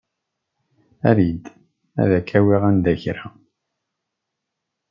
Ali-d. Ad k-awiɣ anda kra.